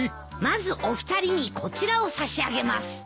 まずお二人にこちらを差し上げます。